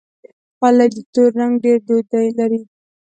خولۍ د تور رنګ ډېر دود لري.